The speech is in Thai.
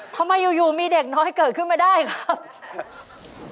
ทำไมอยู่มีเด็กน้อยเกิดขึ้นมาได้ครับ